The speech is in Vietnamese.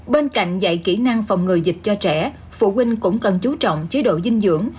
bên cạnh dạy kỹ năng phòng ngừa dịch cho trẻ phụ huynh cũng cần chú trọng chế độ dinh dưỡng